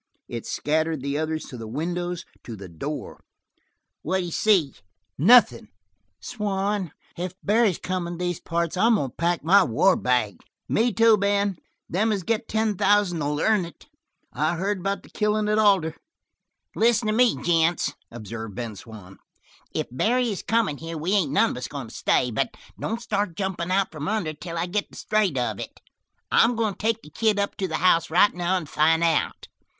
It scattered the others to the windows, to the door. "What d'you see?" "Nothin'." "Swann, if Barry is comin' to these parts, I'm goin' to pack my war bag." "Me too, Ben. Them that get ten thousand'll earn it. I heard about the Killin' at Alder." "Listen to me, gents," observed Ben Swann. "If Barry is comin' here we ain't none of us goin' to stay; but don't start jumpin' out from under till I get the straight of it. I'm goin' to take the kid up to the house right now and find out."